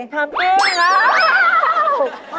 ถามอื่นมากครับ